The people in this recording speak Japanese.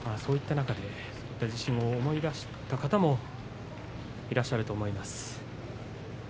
あの地震を思い出した方もいらっしゃると思います。